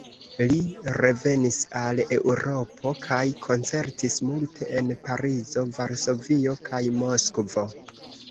Li revenis al Eŭropo kaj koncertis multe en Parizo, Varsovio kaj Moskvo.